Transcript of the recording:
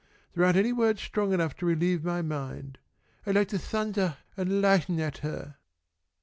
There aren't any words strong enough to relieve my mind. I'd like to thundah and lighten at her."